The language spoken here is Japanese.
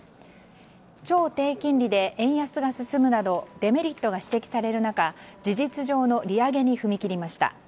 超低金利で円安が進むなどデメリットが指摘される中事実上の利上げに踏み切りました。